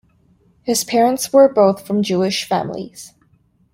His parents were both from Jewish families.